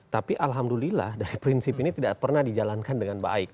tapi alhamdulillah dari prinsip ini tidak pernah dijalankan dengan baik